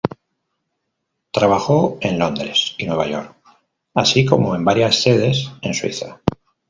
Trabajó en Londres y Nueva York, así como en varias sedes en Suiza.